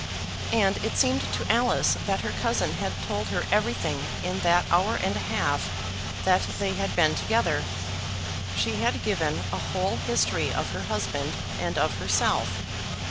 And it seemed to Alice that her cousin had told her everything in that hour and a half that they had been together. She had given a whole history of her husband and of herself.